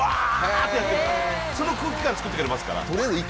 その空気感つくってくれますから。